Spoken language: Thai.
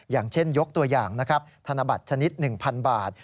อย่างเช่นยกตัวอย่างนะครับธนบัตรชนิด๑๐๐บาท